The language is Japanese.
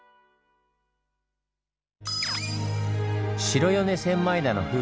白米千枚田の風